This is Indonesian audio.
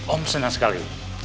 om senang sekali